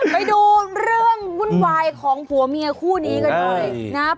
ไปดูเรื่องวุ่นวายของผัวเมียคู่นี้กันหน่อยนะครับ